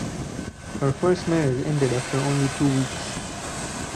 Her first marriage ended after only two weeks.